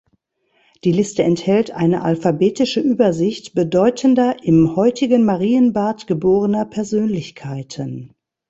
Die Liste enthält eine alphabetische Übersicht bedeutender, im heutigen Marienbad geborener Persönlichkeiten.